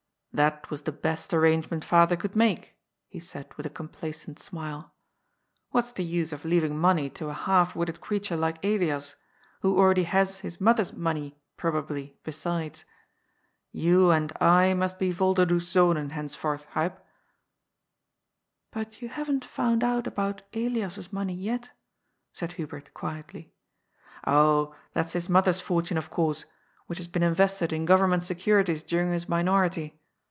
*' That was the best arrangement father could make," he said with a complacent smile. " What's the use of leaving money to a half witted creature like Elias, who already has his mother's money probably, besides ? You and I must be Yolderdoes Zonen, henceforth, Huib." " But you haven't found out about Elias's money yet," said Hubert quietly. ^' Oh, that's his mother's fortune, of course, which has THE HBAD OF THE FIRM. 113 been invested in Ooveniment securities dnring his minority.